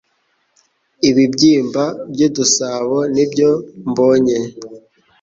Ibibyimba by'udusabo nibyo mbonye